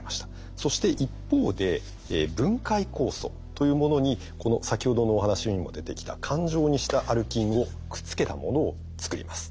そして一方で分解酵素というものにこの先ほどのお話にも出てきた環状にしたアルキンをくっつけたものを作ります。